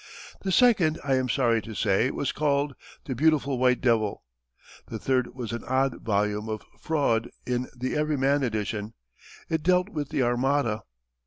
The second, I am sorry to say, was called The Beautiful White Devil. The third was an odd volume of Froude in the Everyman edition. It dealt with the Armada.